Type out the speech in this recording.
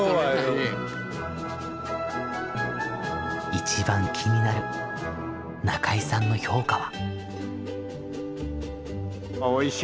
一番気になる中井さんの評価は。